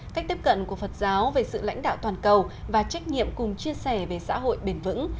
cách tiếp cận của phật giáo về sự lãnh đạo toàn cầu và trách nhiệm cùng chia sẻ về xã hội bền vững